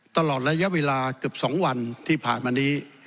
ตลอดระยะเวลาเกือบ๒วันที่ผ่านมานี้